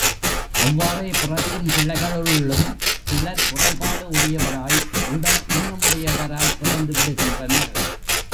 அவ்வாறே பிறக்கும் பிள்ளைகளுள்ளும் சிலர் குறைபாடு உடையவராய் உடல் ஊனமுடையவராய்ப் பிறந்து விடுகின்றனர்.